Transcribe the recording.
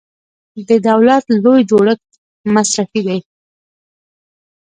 د دولت لوی جوړښت مصرفي دی.